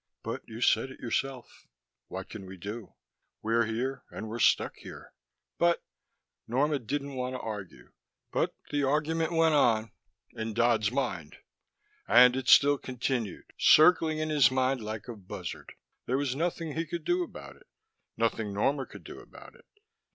"But you said it yourself: what can we do? We're here and we're stuck here." "But " Norma didn't want to argue, but the argument went on in Dodd's mind, and it still continued, circling in his mind like a buzzard. There was nothing he could do about it, nothing Norma could do about it.